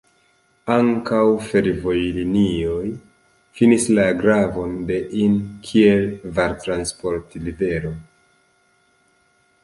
Ankaŭ fervojlinioj finis la gravon de Inn kiel vartransportrivero.